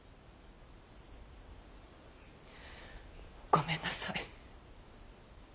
ごめんなさい。